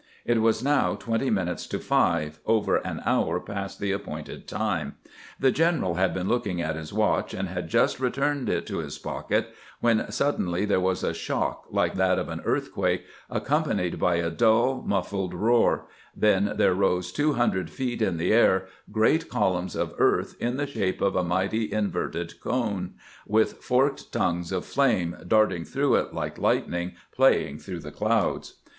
It was now twenty minutes to five, over an hour past the appointed time. The general had been looking at his watch, and had just returned it to his pocket when suddenly there was a shock like that of an earthquake, accompanied by a dull, muffled roar ; then there rose two hundred feet in the air great volumes of earth in the shape of a mighty inverted cone, with forked tongues of flame darting through it like lightning playing through the clouds.